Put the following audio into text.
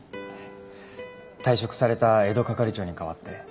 退職された江戸係長に代わって。